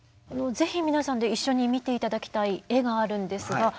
是非皆さんで一緒に見て頂きたい絵があるんですが。